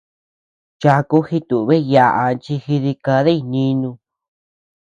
Chaku jitubiy yaʼaa chi jidikadiy nínu.